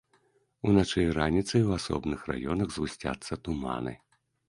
Уначы і раніцай ў асобных раёнах згусцяцца туманы.